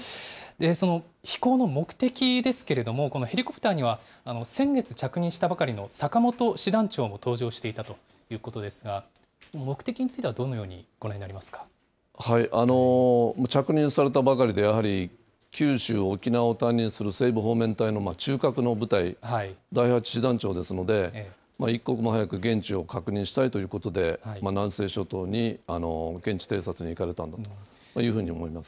その飛行の目的ですけれども、このヘリコプターには先月着任したばかりの坂本師団長も搭乗していたということですが、目的についてはどのようにご覧になります着任されたばかりで、やはり九州、沖縄を担任する西部方面隊の中核の部隊、第８師団長ですので、一刻も早く現地を確認したいということで、南西諸島に現地偵察に行かれたんだというふうに思います。